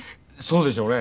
そうでしょうね。